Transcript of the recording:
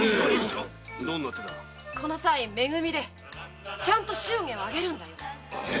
このさい「め組」でちゃんと祝言を挙げるんだよ。